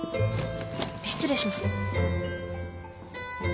失礼します。